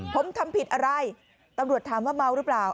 ผมทำผิดอะไรตำรวจถามว่าเมาหรือเปล่า